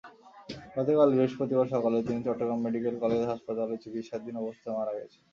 গতকাল বৃহস্পতিবার সকালে তিনি চট্টগ্রাম মেডিকেল কলেজ হাসপাতালে চিকিৎসাধীন অবস্থায় মারা গেছেন।